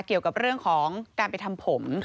เกี่ยวกับเรื่องของการไปทำผม